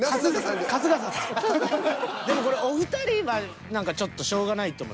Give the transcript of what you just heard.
でもこれお二人は何かちょっとしょうがないと思う。